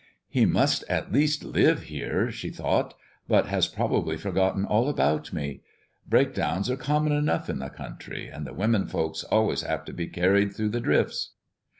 "He must at least live near here," she thought, "but has probably forgotten all about me. Breakdowns are common enough in the country, and the 'women folks' always have to be carried through the drifts."